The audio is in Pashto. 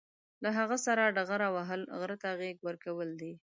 له هغه سره ډغره وهل، غره ته غېږ ورکول دي.